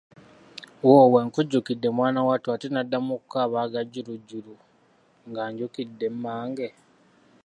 Woowe, nkujjukidde mwanattu ate n'adda mu kukaaba aga jjulujjulu ng'ajjukidde mmange.